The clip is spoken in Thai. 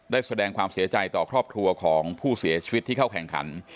แสดงความเสียใจต่อครอบครัวของผู้เสียชีวิตที่เข้าแข่งขัน